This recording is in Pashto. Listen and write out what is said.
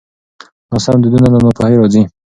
ناسم دودونه له ناپوهۍ راځي.